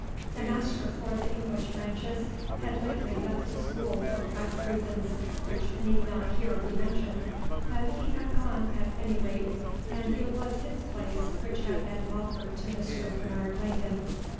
The master for the English branches had lately left the school for private reasons, which need not be here mentioned, but he had gone, at any rate, and it was his place which had been offered to Mr. Bernard Langdon.